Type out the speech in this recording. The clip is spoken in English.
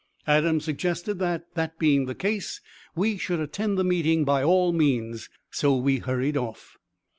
Adams suggested that, that being the case, we should attend the meeting, by all means; so we hurried off.